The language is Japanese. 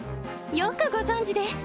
よくご存じで！